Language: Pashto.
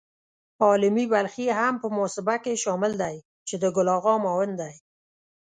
عالمي بلخي هم په محاسبه کې شامل دی چې د ګل آغا معاون دی.